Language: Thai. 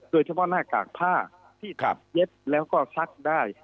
โดยเฉพาะหน้ากากผ้าที่เย็ดแล้วก็ซักได้